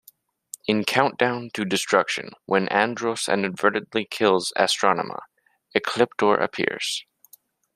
In "Countdown to Destruction", when Andros inadvertently kills Astronema, Ecliptor appears.